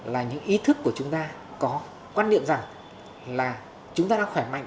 là những ý thức của chúng ta có quan niệm rằng là chúng ta đang khỏe mạnh